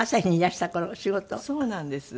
そうなんです。